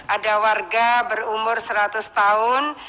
ada warga berumur seratus tahun